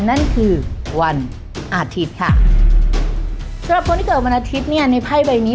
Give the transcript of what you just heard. นั่นคือวันอาทิตย์ค่ะสำหรับคนที่เกิดวันอาทิตย์เนี่ยในไพ่ใบนี้